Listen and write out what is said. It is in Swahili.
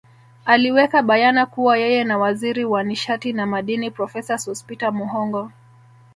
Aliweka bayana kuwa yeye na Waziri wa nishati na Madini Profesa Sospeter Muhongo